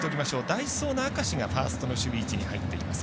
代走の明石がファーストの守備位置に入っています。